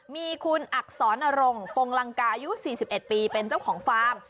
มีคุณอักษรนรงปงลังกาอายุ๔๑ปีเป็นเจ้าของฟาร์ม